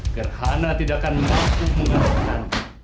gerhana tidak akan mampu mengadakan